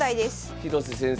広瀬先生